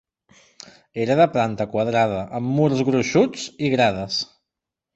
Era de planta quadrada amb murs gruixuts i grades.